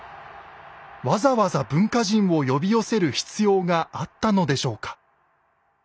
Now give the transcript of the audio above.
わざわざ文化人を呼び寄せる必要があったのでしょうか？